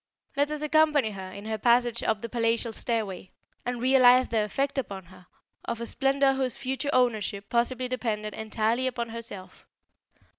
Let us accompany her in her passage up the palatial stairway, and realize the effect upon her of a splendour whose future ownership possibly depended entirely upon herself.